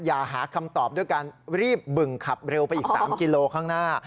อย่าหาคำตอบด้วยการรีบบึงขับเร็วไปอีก๓กิโลข้างหน้า